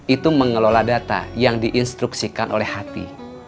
itu mengelola data yang diinstruksikan oleh hati